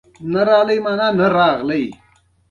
رسنیو او د مطبوعاتو کارکوونکو هم ناسته مهمه نه بلله